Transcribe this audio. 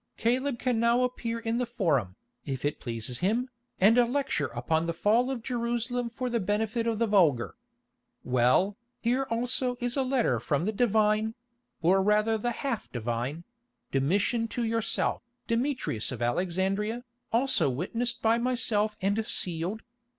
Caleb can now appear in the Forum, if it pleases him, and lecture upon the fall of Jerusalem for the benefit of the vulgar. Well, here also is a letter from the divine—or rather the half divine—Domitian to yourself, Demetrius of Alexandria, also witnessed by myself and sealed.